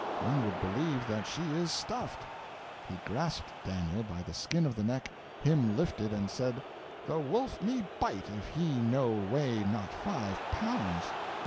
One would believe that she is stuffed.' He grasped Daniel by the skin of the neck, him lifted and said: 'The wolf me bite if he no weigh not five pounds.'